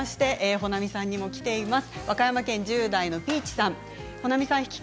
保奈美さんにも来ています。